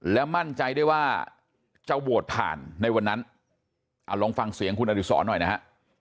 และมั่นใจได้ว่าจะโหวตผ่านในวันนั้นลองฟังเสียงคุณอดิษรหน่อยนะฮะ